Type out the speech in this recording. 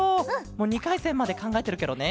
もう２かいせんまでかんがえてるケロね。